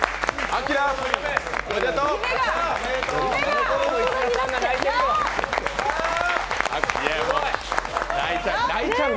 明、おめでとう。